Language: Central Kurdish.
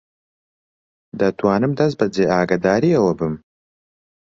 دەتوانم دەستبەجێ ئاگاداری ئەوە بم.